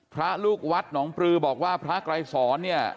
พระลูกวัดหนองปลือบอกว่าพระไกรสอนเนี่ย